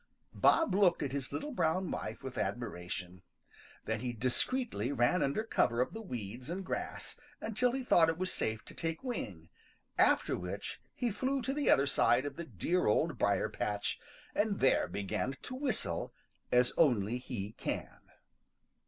Bob looked at his little brown wife with admiration. Then he discreetly ran under cover of the weeds and grass until he thought it was safe to take wing, after which he flew to the other side of the dear Old Briar patch and there began to whistle as only he can.